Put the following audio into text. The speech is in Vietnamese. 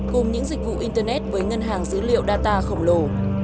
cùng những dịch vụ internet với ngân hàng dữ liệu data khổng lồ